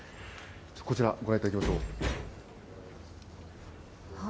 こちら、ご覧いただきましょう。